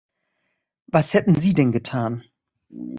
Was hätten Sie denn getan?